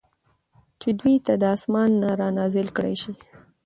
چې دوی ته د آسمان نه را نازل کړل شي